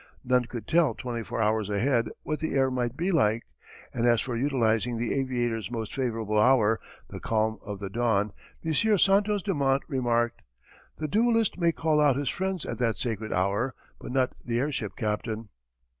None could tell twenty four hours ahead what the air might be like, and as for utilizing the aviator's most favourable hour, the calm of the dawn, M. Santos Dumont remarked: "The duellist may call out his friends at that sacred hour, but not the airship captain."